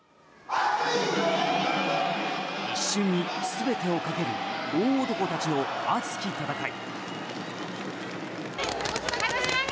一瞬に全てを懸ける大男たちの熱き戦い。